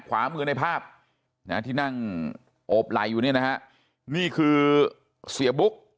ขวามือในภาพที่นั่งโอบไหล่อยู่เนี่ยนะฮะนี่คือเสียบุ๊ก